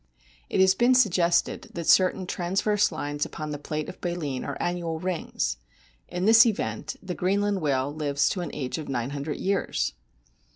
It has been suggested that certain transverse lines upon the plates of baleen are annual rings. In this event the Greenland whale lives to an age of nine hundred years